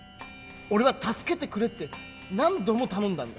俺は助けてくれって何度も頼んだんだ。